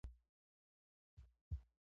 هر هنر ارزښت لري.